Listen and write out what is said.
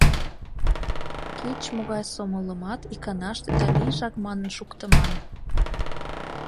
Кеч-могай сомылымат иканаште да лийжак манын шуктыман...